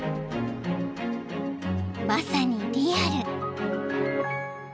［まさにリアル］